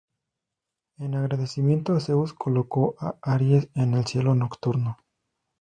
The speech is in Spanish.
En agradecimiento Zeus colocó a Aries en el cielo nocturno.